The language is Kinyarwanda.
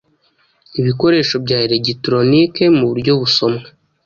ibikoresho bya elegitoronike muburyo busomwa